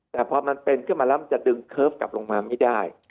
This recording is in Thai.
แต่พอมันเป็นขึ้นมาแล้วมันจะดึงเคิร์ฟกลับลงมาไม่ได้